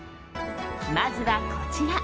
まずは、こちら。